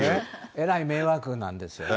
えらい迷惑なんですよね。